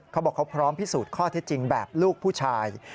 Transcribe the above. เขาบอกเขาพร้อมพิสูจน์ข้อเท็จจริงแบบลูกผู้ชาย